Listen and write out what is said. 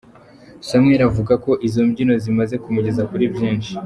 Samuel avugako izi mbyino zimaze kumugeza kuri byinshi.